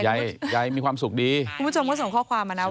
ยายยายมีความสุขดีคุณผู้ชมก็ส่งข้อความมาแล้ว